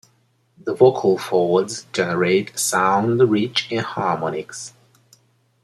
The vocal folds generate a sound rich in harmonics.